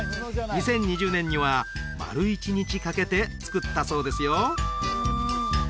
２０２０年には丸一日かけて作ったそうですよ